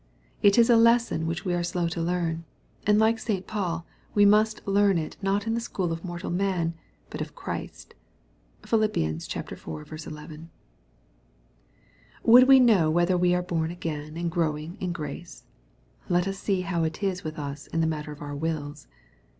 It is a lesson which we are slow to learn, and like St. Paul, we must learn it not in the school of mortal man, but of Christ. (Phil. iv. 11.) I Would we know whether we are born again, and growing in grace ? y Let us see how it is with us in the matter of our wills.